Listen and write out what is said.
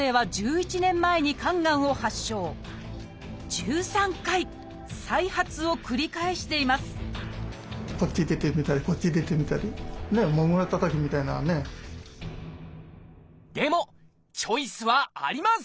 １３回再発を繰り返していますでもチョイスはあります！